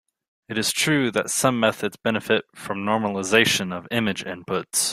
It is true that some methods benefit from normalization of image inputs.